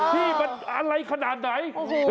ที่มันอะไรขนาดไหน